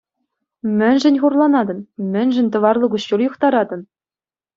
Мӗншӗн хурланатӑн, мӗншӗн тӑварлӑ куҫҫуль юхтаратӑн?